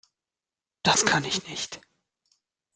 Das kann ich nicht.